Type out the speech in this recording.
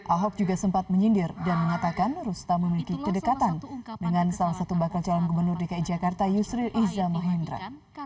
ahok juga sempat menyindir dan mengatakan rusta memiliki kedekatan dengan salah satu bakal calon gubernur dki jakarta yusril iza mahendra